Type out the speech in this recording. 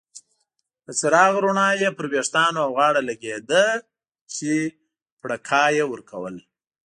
د څراغ رڼا یې پر ویښتانو او غاړه لګیده چې پرکا یې ورکول.